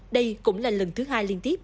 đây cũng là lần thứ hai liên tiếp